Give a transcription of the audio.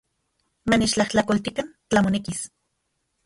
Manechtlajtlakoltikan tlan monekis.